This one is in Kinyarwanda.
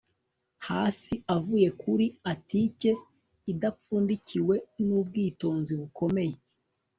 hasi avuye kuri atike, idapfundikiwe nubwitonzi bukomeye